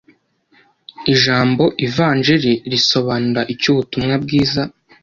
Ijambo ivanjiri risobanura icyo Ubutumwa bwiza